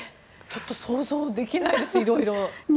ちょっと想像できないです色々。